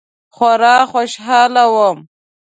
خورا خوشحاله وم.